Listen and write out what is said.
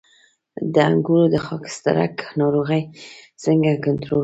د انګورو د خاکسترک ناروغي څنګه کنټرول کړم؟